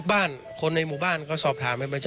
ส่งมาให้โอโนเฟอร์เรเวอร์